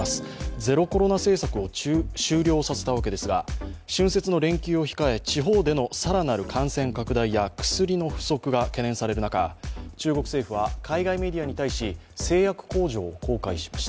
ゼロコロナ政策を終了させたわけですが、春節の連休を控え地方での更なる感染拡大や薬の不足が懸念される中中国政府は海外メディアに対し、製薬工場を公開しました。